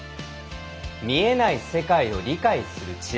見えない世界を理解する知恵。